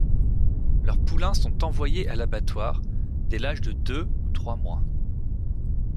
Leurs poulains sont envoyés à l'abattoir dès l'âge de deux ou trois mois.